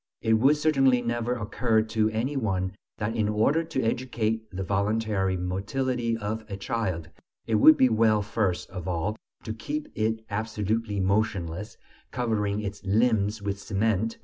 It would certainly never occur to any one that in order to educate the voluntary motility of a child, it would be well first of all to keep it absolutely motionless, covering its limbs with cement (I will not say fracturing them!)